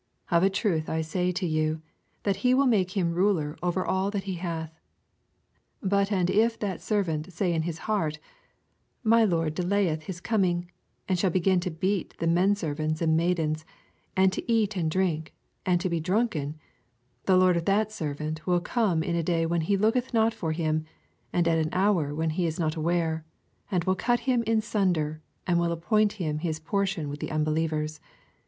44 Of a truth I say unto you. that he will make him ruler over all that he hath. 45 But and if chat servant say in his heart, My lor 1 delayeth his com ing ; and shall becrin to beat the men servants and maidens, and to eat and drink, and to be drunken ; 46 The lord of that servant wiU come in a day when he looketh not for Aim, and at an hour when he is not aware, and will cut him in sun der, and will appoint him his portion witn the unbelievers.